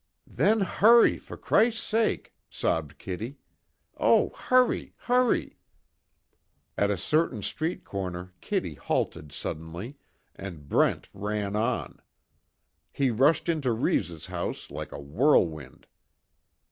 "Then hurry for Christ's sake!" sobbed Kitty, "Oh, hurry! Hurry!" At a certain street corner Kitty halted suddenly, and Brent ran on. He rushed into Reeves' house like a whirlwind.